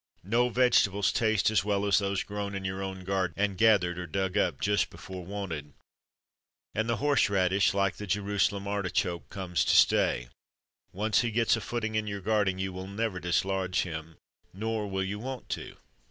No vegetables taste as well as those grown in your own garden, and gathered, or dug up, just before wanted. And the horse radish, like the Jerusalem artichoke, comes to stay. When once he gets a footing in your garden you will never dislodge him; nor will you want to.